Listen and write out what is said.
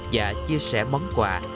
và chia sẻ món quà